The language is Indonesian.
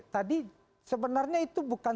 tadi sebenarnya itu bukan